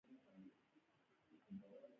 کوچني تجارتونه د ټولنې اړتیاوې پوره کوي.